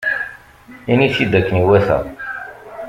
Ini-t-id akken iwata.